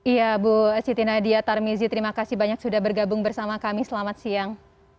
iya bu siti nadia tarmizi terima kasih banyak sudah bergabung bersama kami selamat siang